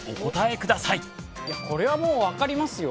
これはもう分かりますよ。